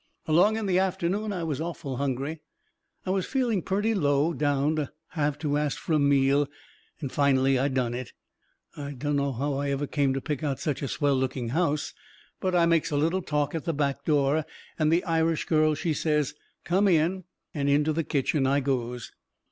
Along in the afternoon I was awful hungry. I was feeling purty low down to have to ast fur a meal, but finally I done it. I dunno how I ever come to pick out such a swell looking house, but I makes a little talk at the back door and the Irish girl she says, "Come in," and into the kitchen I goes.